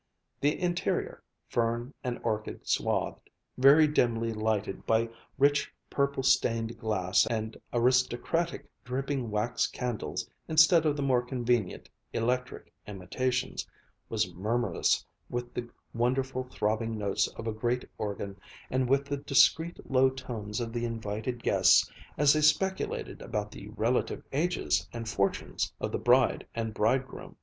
The interior, fern and orchid swathed, very dimly lighted by rich purple stained glass and aristocratic dripping wax candles instead of the more convenient electric imitations, was murmurous with the wonderful throbbing notes of a great organ and with the discreet low tones of the invited guests as they speculated about the relative ages and fortunes of the bride and bridegroom.